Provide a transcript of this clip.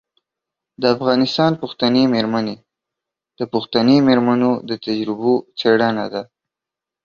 د افغانستان پښتنې میرمنې د پښتنې میرمنو د تجربو څیړنه ده.